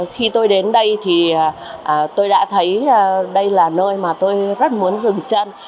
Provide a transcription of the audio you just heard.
khi tôi đến đây thì tôi đã thấy đây là nơi mà tôi rất muốn dừng chân